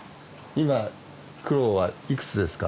今クロはいくつですか？